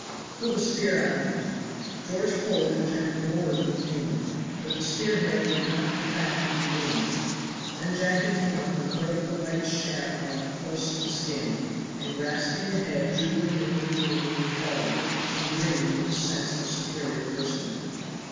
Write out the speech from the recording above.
"Pull the spear out of him!" George pulled and Jem roared with pain, but the spear head would not come back through the wound; then Jacky came up and broke the light shaft off close to the skin, and grasping the head drew the remainder through the wound forward, and grinned with a sense of superior wisdom.